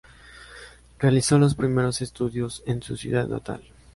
Realizó los primeros estudios en su ciudad natal.